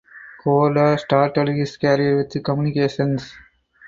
Corda started his career with Comunicaciones.